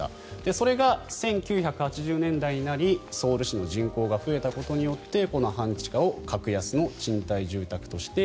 それが１９８０年代になりソウル市の人口が増えたことによってこの半地下を格安の賃貸住宅として